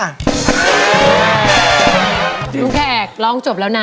ลุงแขกร้องจบแล้วนะ